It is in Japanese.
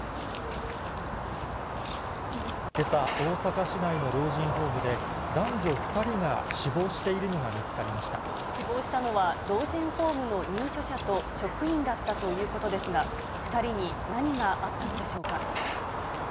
けさ、大阪市内の老人ホームで、男女２人が死亡しているのが見つかりま死亡したのは、老人ホームの入所者と職員だったということですが、２人に何があったのでしょうか。